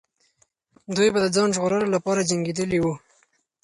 دوی به د ځان ژغورلو لپاره جنګېدلې وو.